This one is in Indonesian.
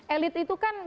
elit itu kan di dalam